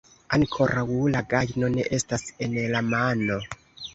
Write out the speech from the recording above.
Ankoraŭ la gajno ne estas en la mano.